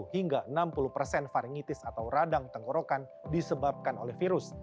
satu hingga enam puluh persen varingitis atau radang tenggorokan disebabkan oleh virus